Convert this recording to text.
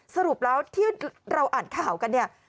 สรุปแล้วที่เราอ่านข่าวกันเนี่ย